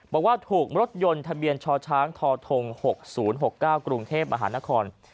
บอกว่าถูกรถยนต์ทะเบียนชชทธ๖๐๖๙กรุงเทพมหานคร